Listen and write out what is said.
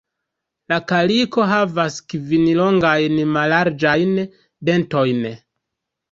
La kaliko havas kvin longajn mallarĝajn "dentojn".